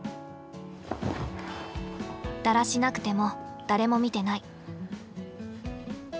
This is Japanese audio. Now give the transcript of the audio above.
だらしなくても誰も見てない。